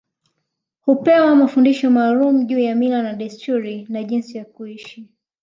Hupewa mafundisho maalum juu ya mila na desturi na jinsi ya kuishi